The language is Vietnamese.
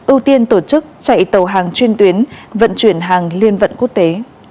ưu tiên tổ chức chạy tàu hàng chuyên tuyến vận chuyển hàng liên vận quốc tế